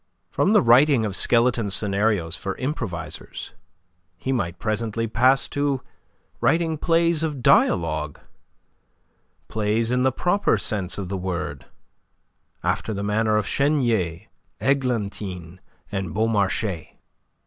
From the writing of skeleton scenarios for improvisers, he might presently pass to writing plays of dialogue, plays in the proper sense of the word, after the manner of Chenier, Eglantine, and Beaumarchais.